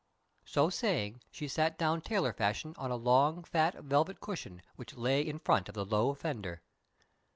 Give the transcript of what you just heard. So saying, she sat down tailor fashion on a long, fat velvet cushion which lay in front of the low fender.